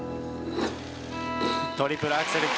トリプルアクセル